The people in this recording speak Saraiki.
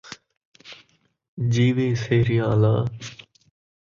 جیوے سہریاں آلا